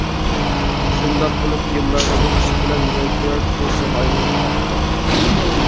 شۇنداق قىلىپ يىللارنىڭ ئۆتىشى بىلەن مۆتىۋەر كوسىغا ئايلىنىپ قاپتۇ.